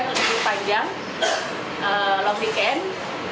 kita menemukan adanya libur panjang long weekend